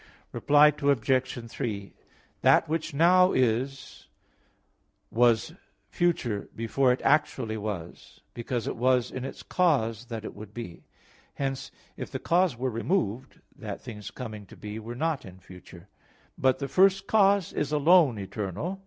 Reply Obj. 3: That which now is, was future, before it (actually) was; because it was in its cause that it would be. Hence, if the cause were removed, that thing's coming to be was not future. But the first cause is alone eternal.